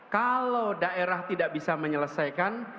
kalau daerah tidak bisa menyelesaikan